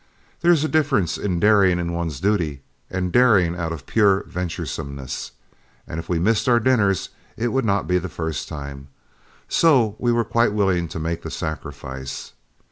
There is a difference in daring in one's duty and in daring out of pure venturesomeness, and if we missed our dinners it would not be the first time, so we were quite willing to make the sacrifice.